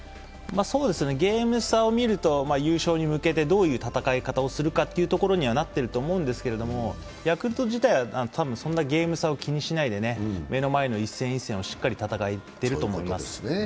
そうですね、ゲーム差を見ると、優勝に向けてどういう戦い方をするかというところにはなってると思うんですがヤクルト自体は、そんなゲーム差を気にしないで目の前の一戦一戦をしっかり戦っていると思います。